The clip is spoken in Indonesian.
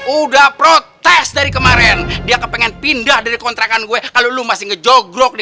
udah protes dari kemarin dia kepengen pindah dari kontrakan gue kalau lu masih ngejogrok di